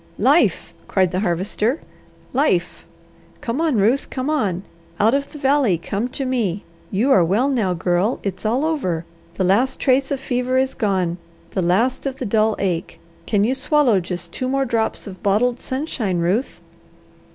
"Life!" cried the Harvester. "Life! Come on, Ruth, come on! Out of the valley come to me! You are well now, Girl! It's all over! The last trace of fever is gone, the last of the dull ache. Can you swallow just two more drops of bottled sunshine, Ruth?"